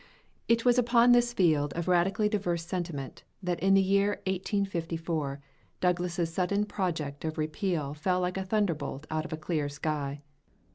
It was upon this field of radically diverse sentiment that in the year 1854 Douglas's sudden project of repeal fell like a thunderbolt out of a clear sky.